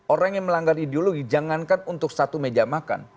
orang yang melanggar ideologi jangankan untuk satu meja makan